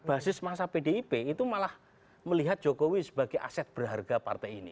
basis masa pdip itu malah melihat jokowi sebagai aset berharga partai ini